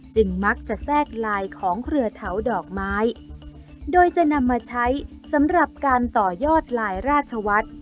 มักจะแทรกลายของเครือเถาดอกไม้โดยจะนำมาใช้สำหรับการต่อยอดลายราชวัฒน์